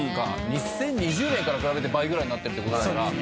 ２０２０年から比べて倍ぐらいになってるって事だから。